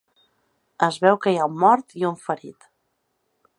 Es veu que hi ha un mort i un ferit.